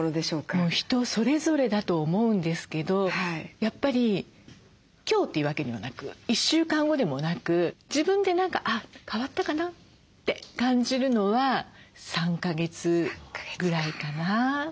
人それぞれだと思うんですけどやっぱり今日というわけにはなく１週間後でもなく自分で何かあっ変わったかなって感じるのは３か月ぐらいかな。